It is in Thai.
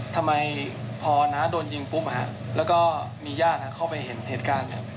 ทำไมพอน้าโดนยิงปุ๊บครับแล้วก็มีญาติครับเข้าไปเห็นเหตุการณ์